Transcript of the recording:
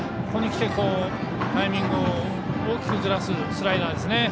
ここにきて、タイミングを大きくずらすスライダーですね。